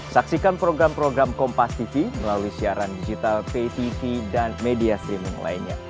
saksikan program program kompastv melalui siaran digital ptv dan media streaming